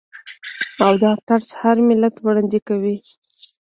او دا طرز هر ملت وړاندې کوي.